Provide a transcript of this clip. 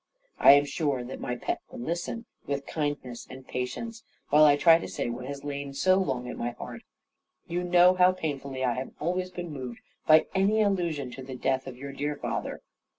"I am sure that my pet will listen, with kindness and patience, while I try to say what has lain so long at my heart. You know how painfully I have always been moved by any allusion to the death of your dear father.